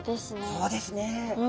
そうですね。